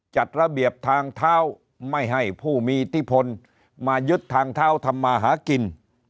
จัดระเบียบทางเท้าไม่ให้ผู้มีอิทธิพลมายึดทางเท้าทำมาหากิน